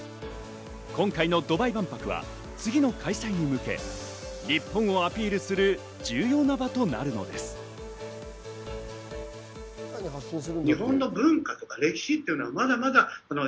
今回のドバイ万博は次の開催に向け、日本はアピールする重要な場となるのです。